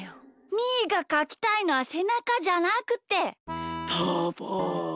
みーがかきたいのはせなかじゃなくて。